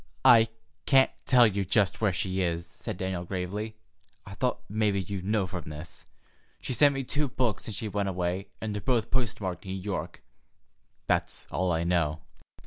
"I can't tell you just where she is," said Daniel gravely. "I thought mebbe you'd know from this. She's sent me two books since she went away, and they're both post marked 'New York.' That's all I know."